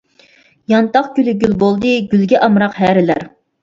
يانتاق گۈلى گۈل بولدى، گۈلگە ئامراق ھەرىلەر.